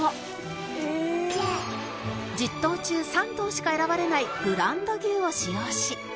１０頭中３頭しか選ばれないブランド牛を使用し